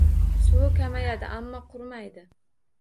Suvi kamayadi, ammo qurimaydi.